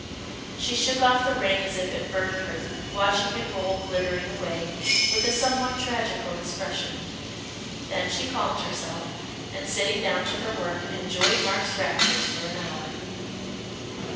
She shook off the ring as if it burned her, watching it roll glittering away, with a somewhat tragical expression. Then she calmed herself, and sitting down to her work, enjoyed Mark's raptures for an hour.